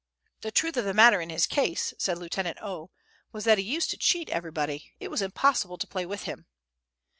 "The truth of the matter in his case," said Lieutenant O., "was that he used to cheat everybody; it was impossible to play with him."